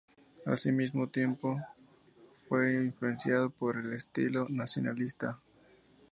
Al mismo tiempo, fue influenciado por un estilo nacionalista.